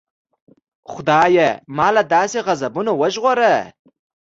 خدایه ما له داسې غضبونو وژغوره.